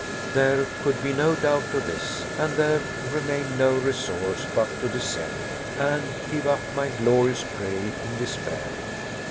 There could be no doubt of this, and there remained no resource but to descend, and give up my glorious prey in despair.